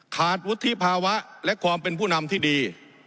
ขาดวุฒิภาวะและความเป็นผู้นำที่ดี